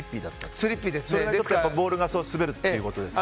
それでボールが滑るということですね。